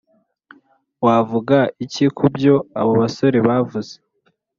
Wavuga iki ku byo abo basore bavuze